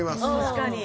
確かに。